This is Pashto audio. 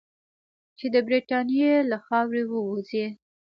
چې د برټانیې له خاورې ووځي.